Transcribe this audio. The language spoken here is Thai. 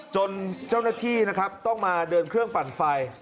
จนเจ้าหน้าที่นะครับต้องมาเดินเครื่องปั่นไฟ